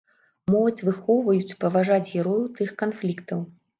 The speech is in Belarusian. Моладзь выхоўваюць паважаць герояў тых канфліктаў.